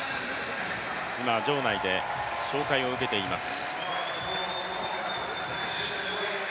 今場内で紹介を受けています。